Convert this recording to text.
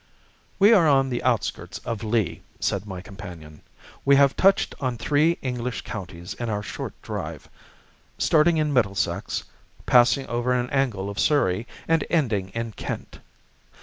"We are on the outskirts of Lee," said my companion. "We have touched on three English counties in our short drive, starting in Middlesex, passing over an angle of Surrey, and ending in Kent.